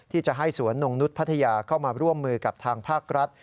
ที่จะให้สวนนงนุษย์พัทยาเข้ามาร่วมมือกับทางภาครัฐ